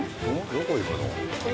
どこ行くの？